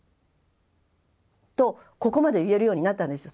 とここまで言えるようになったんです。